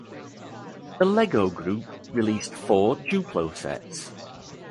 The Lego Group released four Duplo sets.